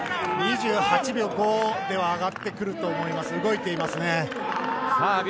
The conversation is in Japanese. ２８秒５では上がってくると思います。